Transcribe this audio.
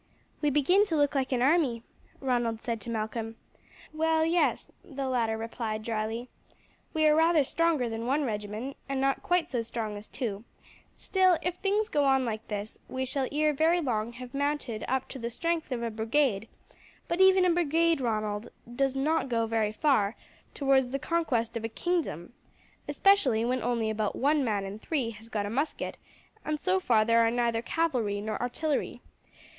"We begin to look like an army," Ronald said to Malcolm. "Well, yes," the latter replied drily, "we are rather stronger than one regiment and not quite so strong as two; still, if things go on like this we shall ere very long have mounted up to the strength of a brigade; but even a brigade, Ronald, does nor go very far towards the conquest of a kingdom, especially when only about one man in three has got a musket, and so far there are neither cavalry nor artillery.